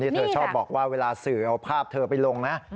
เธอชอบบอกว่าเวลาสื่อเอาภาพเธอไปลงนะ